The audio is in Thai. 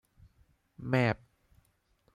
แมป